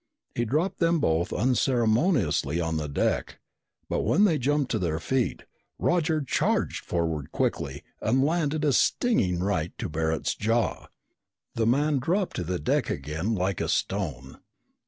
He dropped them both unceremoniously on the deck, but when they jumped to their feet, Roger charged forward quickly and landed a stinging right to Barret's jaw. The man dropped to the deck again like a stone.